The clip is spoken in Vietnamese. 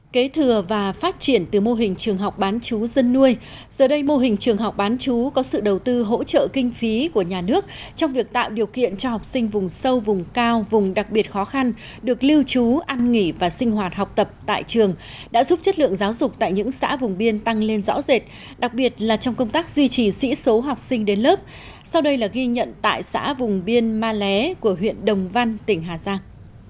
kế thừa và phát triển từ mô hình trường học bán chú dân nuôi giờ đây mô hình trường học bán chú có sự đầu tư hỗ trợ kinh phí của nhà nước trong việc tạo điều kiện cho học sinh vùng sâu vùng cao vùng đặc biệt khó khăn được lưu chú ăn nghỉ và sinh hoạt học tập tại trường đã giúp chất lượng giáo dục tại những xã vùng biên tăng lên rõ rệt đặc biệt là trong công tác duy trì sĩ số học sinh đến lớp sau đây là ghi nhận tại xã vùng biên ma lé của huyện đồng văn tỉnh hà giang